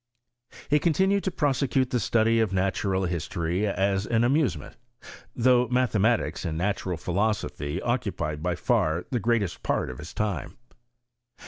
He continued to prosecute the study of natural his tory as an amusement; though mathematics and natural philosophy occupied by far the greatest part of iiis time.